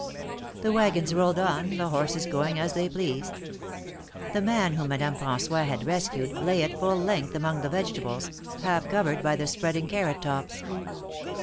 The wagons rolled on, the horses going as they pleased. The man whom Madame FranQois had rescued, lay at full length among the vegetables, half covered by the spreading carrot tops.